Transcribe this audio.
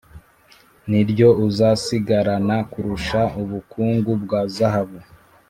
niryo uzasigarana kurusha ubukungu bwa zahabu.